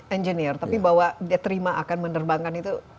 engineer tapi bahwa dia terima akan menerbangkan itu